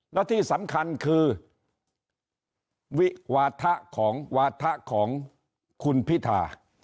แล้วที่สำคัญคือวัตถะของคุณพิธา